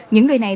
những người này